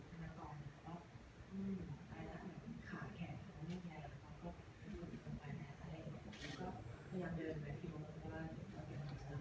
มกใช่นี่เป็นความโชคดีที่อู่ธนกรเตรียมแรงใน่เข้าไปแก่เช้า